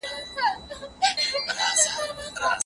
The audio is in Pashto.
د ښځي چې له مېړه سره راستي وي، ژوند یې ښه وي.